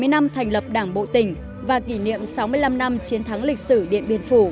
bảy mươi năm thành lập đảng bộ tỉnh và kỷ niệm sáu mươi năm năm chiến thắng lịch sử điện biên phủ